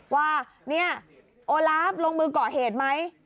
ว่าเนี่ยโอลาฟลงมือก่อเหตุไหม